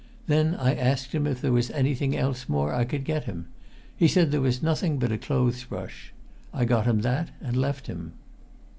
Then I asked him if there was anything more I could get him. He said there was nothing but a clothes brush. I got him that, and left him."